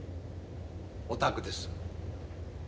お宅です。